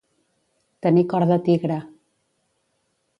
Tenir cor de tigre.